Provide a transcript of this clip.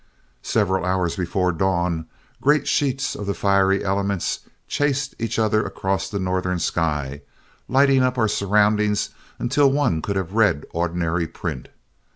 Several hours before dawn, great sheets of the fiery elements chased each other across the northern sky, lighting up our surroundings until one could have read ordinary print.